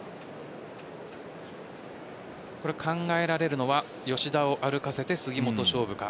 考えられるのは吉田を歩かせて杉本勝負か。